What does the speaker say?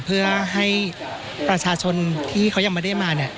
เพื่อให้ประชาชนที่เขายังไม่ได้มาเนี่ย